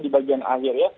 di bagian akhir ya